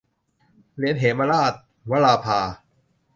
เหรียญเหมราช - วราภา